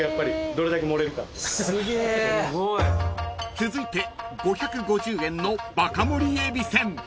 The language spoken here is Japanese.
［続いて５５０円のバカ盛りえびせん］